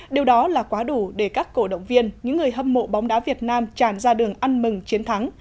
điều đó là quá đủ để các cổ động viên những người hâm mộ bóng đá việt nam tràn ra đường ăn mừng chiến thắng